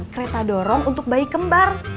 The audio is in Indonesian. kereta dorong untuk bayi kembar